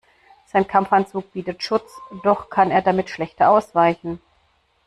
Sein Kampfanzug bietet Schutz, doch kann er damit schlechter ausweichen.